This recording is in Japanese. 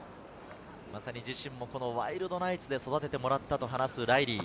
ワイルドナイツに育ててもらったと話すライリー。